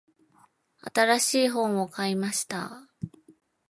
新しい本を買いました。